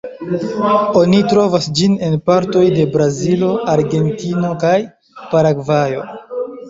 Oni trovas ĝin en partoj de Brazilo, Argentino kaj Paragvajo.